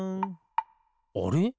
あれ？